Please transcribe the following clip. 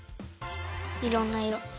いろんないろ。